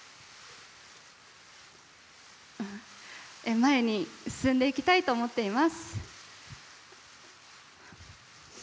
前に進んでいきたいと思っています。